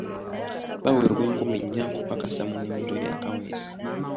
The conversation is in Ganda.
Baweebwa enkumi nnya okupakasa mu nnimiro ya Kaweesi.